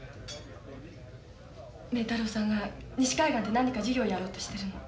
明太郎さんが西海岸で何か事業をやろうとしてるの。